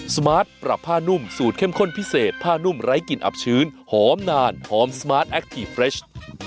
สมาร์ทปรับผ้านุ่มสูตรเข้มข้นพิเศษผ้านุ่มไร้กลิ่นอับชื้นหอมนานหอมสมาร์ทแอคทีฟเฟรช